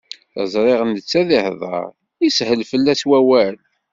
Ẓriɣ netta ad ihdeṛ, ishel fell-as wawal.